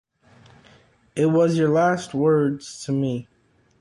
It was your last words to me"".